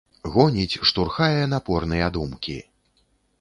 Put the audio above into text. Гоніць, штурхае напорныя думкі.